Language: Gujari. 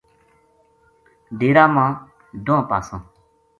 ڈیرا کا دواں پاساں